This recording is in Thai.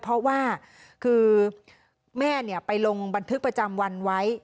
เพราะว่าคือแม่ไปลงบันทึกประจำวันไว้